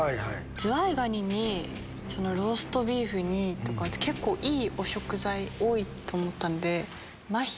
ズワイガニにローストビーフにいいお食材多いと思ったんで。